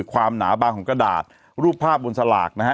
หนาบางของกระดาษรูปภาพบนสลากนะฮะ